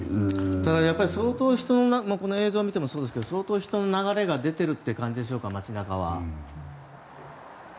ただ、相当この映像を見てもそうですが相当人の流れが出てるって感じでしょうか、街中は。